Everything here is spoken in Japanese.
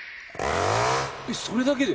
えっそれだけで？